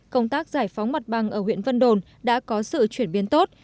công tác giải phóng mặt bằng ở huyện vân đồn đã có sự chuyển biến tốt